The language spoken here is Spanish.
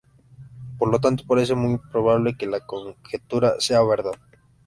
Por lo tanto parece muy probable que la conjetura sea verdad.